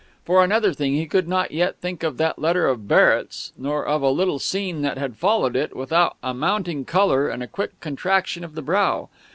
For another thing, he could not yet think of that letter of Barrett's, nor of a little scene that had followed it, without a mounting of colour and a quick contraction of the brow.